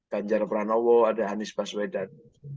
ganjar pranowo ada anies baswedan